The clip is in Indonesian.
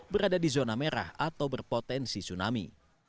berada di zona merah atau berpotensi tsunami